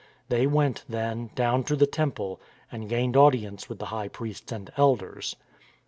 They went, then, down to the Temple and gained audience with the high priests and elders.